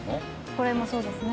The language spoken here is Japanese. これもそうですね。